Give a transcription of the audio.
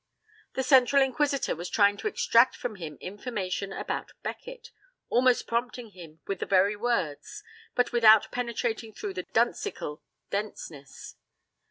The central inquisitor was trying to extract from him information about Becket, almost prompting him with the very words, but without penetrating through the duncical denseness.